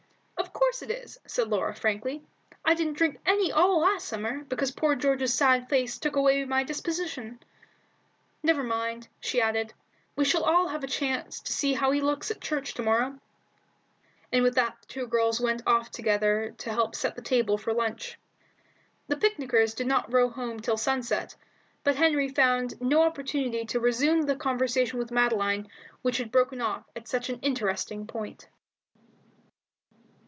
"Of course it is," said Laura, frankly. "I didn't drink any all last summer, because poor George's sad face took away my disposition. Never mind," she added, "we shall all have a chance to see how he looks at church to morrow;" and with that the two girls went off together to help set the table for lunch. The picnickers did not row home till sunset, but Henry found no opportunity to resume the conversation with Madeline which had been broken off at such an interesting point.